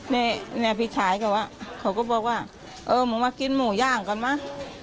แน่พี่สาวเขาก็ว่าเขาก็บอกว่าเออผมมากินหมูย่างก่อนไว้